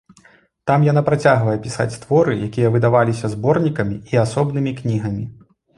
Там яна працягвае пісаць творы, якія выдаваліся зборнікамі і асобнымі кнігамі.